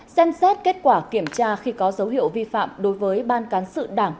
xem xét kết quả kiểm tra khi có dấu hiệu vi phạm đối với ban cán sự đảng